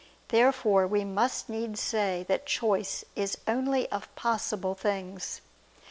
Therefore we must needs say that choice is only of possible things.